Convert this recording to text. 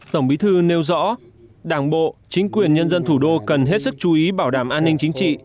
tổng bí thư nêu rõ đảng bộ chính quyền nhân dân thủ đô cần hết sức chú ý bảo đảm an ninh chính trị